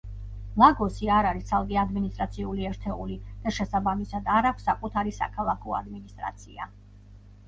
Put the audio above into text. ლაგოსი არ არის ცალკე ადმინისტრაციული ერთეული და შესაბამისად არ აქვს საკუთარი საქალაქო ადმინისტრაცია.